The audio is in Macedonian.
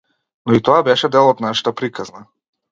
Но и тоа беше дел од нашата приказна.